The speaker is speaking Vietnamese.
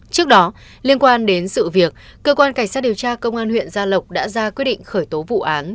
trước đó liên quan đến sự việc cơ quan cảnh sát điều tra công an huyện gia lộc đã ra quyết định khởi tố vụ án